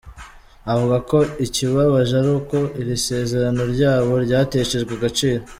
Avuga ko ikibabaje ari uko iri sezerano ryabo ryateshejwe agaciro.